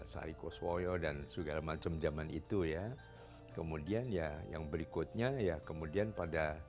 sai koswoyo dan segala macam zaman itu ya kemudian ya yang berikutnya ya kemudian pada